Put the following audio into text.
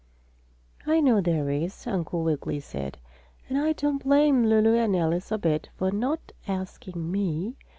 "I know there is," Uncle Wiggily said, "and I don't blame Lulu and Alice a bit for not asking me.